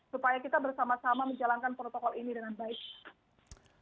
supaya kita bersama sama menjalankan protokol ini dengan baik